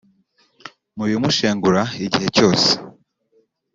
Mu bimushengura igihe cyose